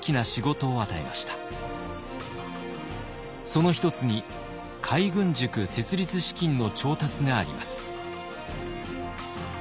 その一つに海軍塾設立資金の調達があります。